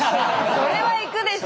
それは行くでしょ。